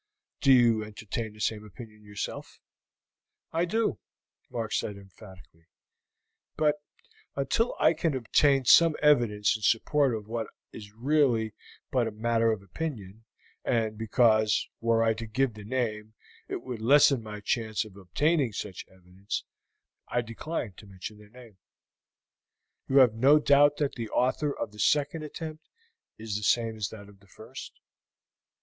"Do you entertain the same opinion yourself?" "I do," Mark said emphatically; "but until I can obtain some evidence in support of what is really but a matter of opinion, and because, were I to give the name, it would lessen my chance of obtaining such evidence, I decline to mention the name." "You have no doubt that the author of the second attempt is the same as that of the first?"